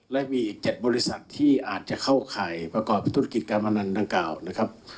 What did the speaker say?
และมี๗บริษัทที่อาจจะเข้าข่ายประกอบธุรกิจการพนันดังกล่าวนะครับ